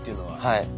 はい。